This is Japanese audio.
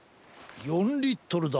４リットルだ。